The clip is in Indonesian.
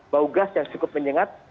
bau gas yang cukup menyengat